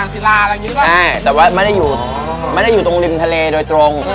ใช่แต่ว่าไม่ได้อยู่ตรงริมทะเลโดยตรง